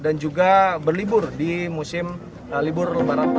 dan juga berlibur di musim libur lembaran tahun